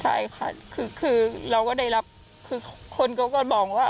ใช่ค่ะคือเราก็ได้รับคือคนเขาก็บอกว่า